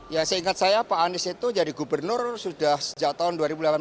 ya seingat saya pak anies itu jadi gubernur sudah sejak tahun dua ribu delapan belas